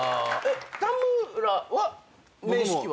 田村は面識は？